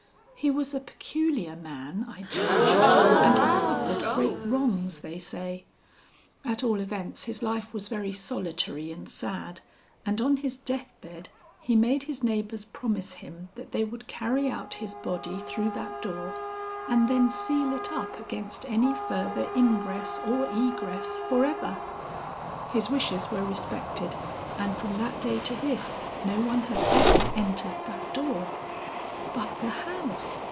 "He was a peculiar man I judge, and had suffered great wrongs they say; at all events his life was very solitary and sad, and on his deathbed he made his neighbors promise him that they would carry out his body through that door and then seal it up against any further ingress or egress forever. His wishes were respected, and from that day to this no one has ever entered that door." "But the house!"